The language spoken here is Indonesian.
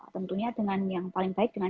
tentunya dengan yang paling baik dengan